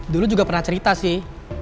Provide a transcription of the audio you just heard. dulu juga pernah cerita sih